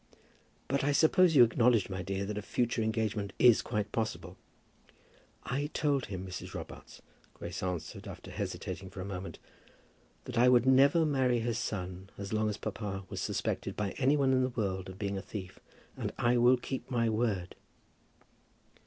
"But I suppose you acknowledged, my dear, that a future engagement is quite possible?" "I told him, Mrs. Robarts," Grace answered, after hesitating for a moment, "that I would never marry his son as long as papa was suspected by any one in the world of being a thief. And I will keep my word."